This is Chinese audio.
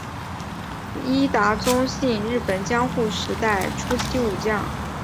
伊达宗信日本江户时代初期武将。